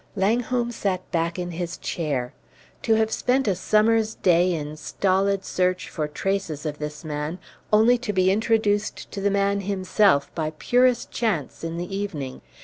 Langholm sat back in his chair. To have spent a summer's day in stolid search for traces of this man, only to be introduced to the man himself by purest chance in the evening!